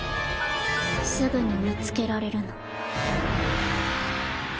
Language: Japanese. すぐに見つけられるの。